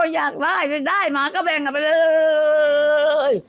อยากได้ได้มาก็แบ่งไปเลย